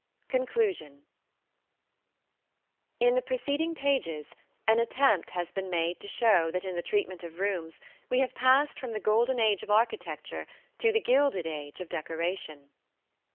CONCLUSION In the preceding pages an attempt has been made to show that in the treatment of rooms we have passed from the golden age of architecture to the gilded age of decoration.